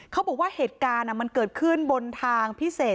เขาบอกว่าเหตุการณ์มันเกิดขึ้นบนทางพิเศษ